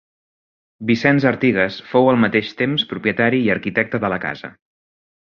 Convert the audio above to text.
Vicenç Artigas fou al mateix temps propietari i arquitecte de la casa.